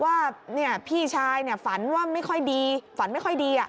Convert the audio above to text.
ว่าพี่ชายฝันว่าไม่ค่อยดีฝันไม่ค่อยดี